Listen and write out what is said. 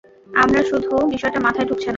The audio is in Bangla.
আমার শুধু বিষয়টা মাথায় ঢুকছে না!